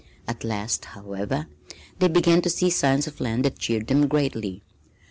At last, however, they began to see signs of land that cheered them greatly.